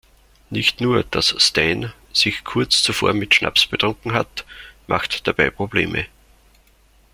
Nicht nur, dass Stan sich kurz zuvor mit Schnaps betrunken hat, macht dabei Probleme.